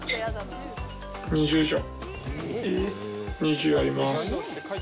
２０あります。